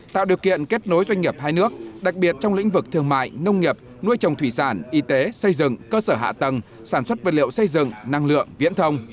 tạo điều kiện kết nối doanh nghiệp hai nước đặc biệt trong lĩnh vực thương mại nông nghiệp nuôi trồng thủy sản y tế xây dựng cơ sở hạ tầng sản xuất vật liệu xây dựng năng lượng viễn thông